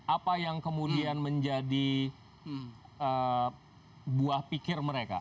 apa yang kemudian menjadi buah pikir mereka